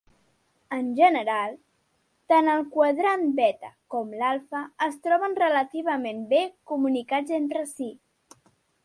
En general, tant el Quadrant Beta com l'Alfa es troben relativament bé comunicats entre si.